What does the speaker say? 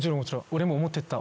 「俺も思ってた」